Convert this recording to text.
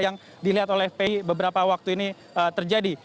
yang dilihat oleh fpi beberapa waktu ini terjadi